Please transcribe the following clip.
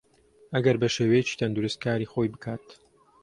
ئەگەر بەشێوەیەکی تەندروست کاری خۆی بکات